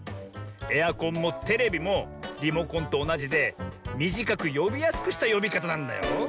エアコンもテレビもリモコンとおなじでみじかくよびやすくしたよびかたなんだよ。